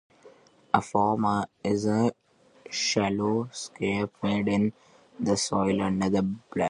A form is a shallow scrape made in the soil under a bush.